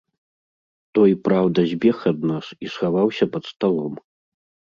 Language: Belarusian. Той, праўда, збег ад нас і схаваўся пад сталом.